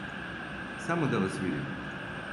Само да вас видим!